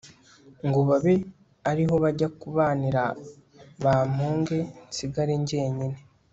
ngo babe ariho bajya kubanira bampunge nsigare njyenyine